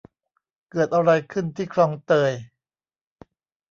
เกิดอะไรขึ้นที่คลองเตย ?